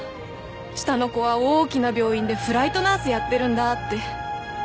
下の子は大きな病院でフライトナースやってるんだって。